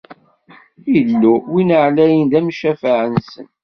Illu, Win Ɛlayen, d amcafeɛ-nsen.